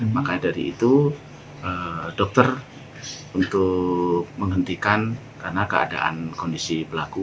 makanya dari itu dokter untuk menghentikan karena keadaan kondisi pelaku